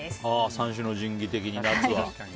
三種の神器的に、夏はね。